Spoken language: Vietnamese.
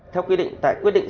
theo quy định tại quy định